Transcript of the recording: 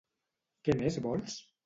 Què més vols?